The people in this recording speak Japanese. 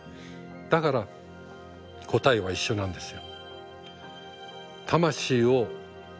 だから答えは一緒なんですよ。